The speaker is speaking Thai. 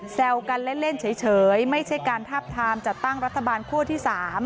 แซวกันเล่นเฉยไม่ใช่การทาบทามจัดตั้งรัฐบาลคั่วที่๓